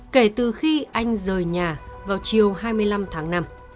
kể từ khi anh rời nhà vào chiều hai mươi năm tháng năm